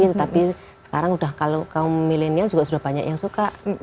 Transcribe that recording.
tetapi sekarang sudah kalau kaum milenial juga sudah banyak yang suka